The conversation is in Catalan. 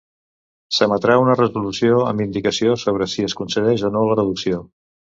S'emetrà una resolució amb indicació sobre si es concedeix o no la reducció.